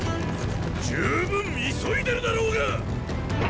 十分急いでるだろうがっ！